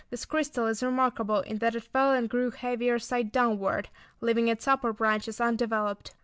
This crystal is remarkable in that it fell and grew heavier side downward, leaving its upper branches undeveloped.